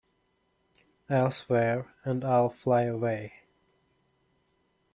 Elsewhere" and "I'll Fly Away".